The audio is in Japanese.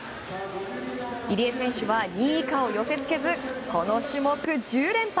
入江選手は２位以下を寄せ付けずこの種目１０連覇！